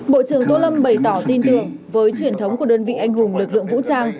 bộ trưởng tô lâm bày tỏ tin tưởng với truyền thống của đơn vị anh hùng lực lượng vũ trang